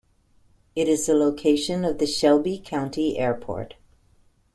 It is the location of the Shelby County Airport.